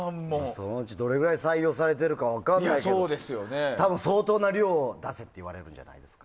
そのうちどれくらい採用されてるか分からないけど多分、相当な量を出せって言われてるんじゃないですか？